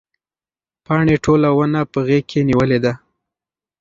پاڼې ټوله ونه په غېږ کې نیولې ده.